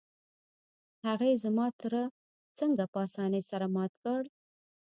هغې زما تره څنګه په اسانۍ سره مات کړ؟